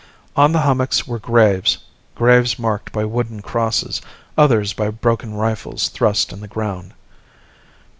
On the hummocks were graves, graves marked by wooden crosses, others by broken rifles thrust in the ground.